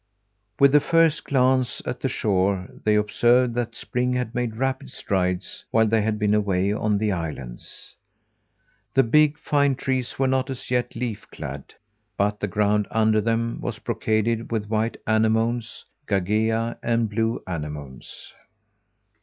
With the first glance at the shore they observed that spring had made rapid strides while they had been away on the islands. The big, fine trees were not as yet leaf clad, but the ground under them was brocaded with white anemones, gagea, and blue anemones.